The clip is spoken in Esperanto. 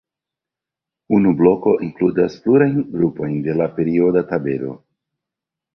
Unu bloko inkludas plurajn grupojn de la perioda tabelo.